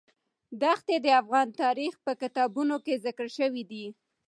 دښتې د افغان تاریخ په کتابونو کې ذکر شوی دي.